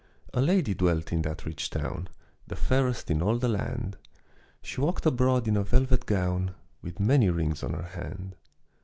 A lady dwelt in that rich town, The fairest in all the land; She walked abroad in a velvet gown, With many rings on her hand.